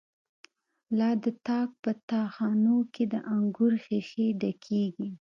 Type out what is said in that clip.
لا د تاک په تا خانو کی، د انگور ښیښی ډکیږی